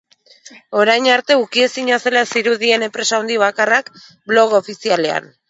Orain arte ukiezina zela zirudien enpresa handi bakarrak, blog ofizialean.